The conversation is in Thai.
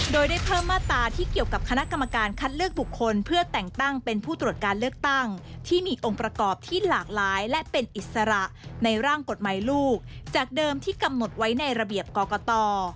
โดยได้เพิ่มมาตราที่เกี่ยวกับคณะกรรมการคัดเลือกบุคคลเพื่อแต่งตั้งเป็นผู้ตรวจการเลือกตั้งที่มีองค์ประกอบที่หลากหลายและเป็นอิสระในร่างกฎหมายลูกจากเดิมที่กำหนดไว้ในระเบียบกรกต